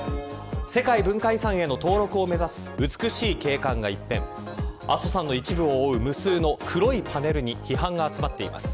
世界文化遺産への登録を目指す美しい景観が一転阿蘇山の一部を覆う無数の黒いパネルに批判が集まっています。